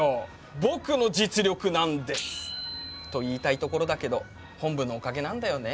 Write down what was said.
「僕の実力なんです」と言いたいところだけど本部のおかげなんだよね。